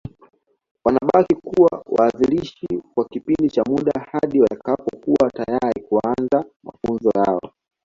Wanabaki kuwa waanzilishi kwa kipindi cha muda hadi watakapokuwa tayari kuanza mafunzo yao